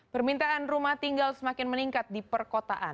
permintaan rumah tinggal semakin meningkat di perkotaan